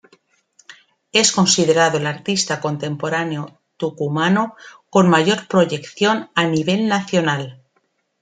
Es considerado el artista contemporáneo tucumano con mayor proyección a nivel nacional.